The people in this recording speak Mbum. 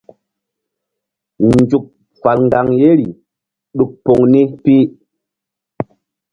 Nzuk fal ŋgaŋ yeri ɗuk poŋ ni pi.